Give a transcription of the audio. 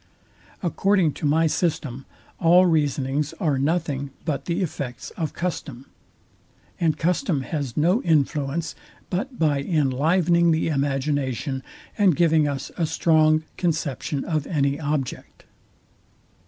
According to my system, all reasonings are nothing but the effects of custom; and custom has no influence, but by inlivening the imagination, and giving us a strong conception of any object.